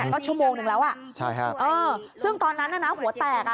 ก็ชั่วโมงนึงแล้วอ่ะใช่ฮะเออซึ่งตอนนั้นน่ะนะหัวแตกอ่ะ